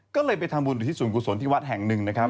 ก็เลยไปทำบุญอยู่ที่ศูนย์กุศลที่วัดแห่งหนึ่งนะครับ